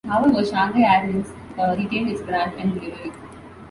However, Shanghai Airlines retained its brand and livery.